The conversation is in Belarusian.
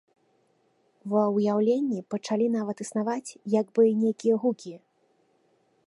Ва ўяўленні пачалі нават існаваць як бы нейкія гукі.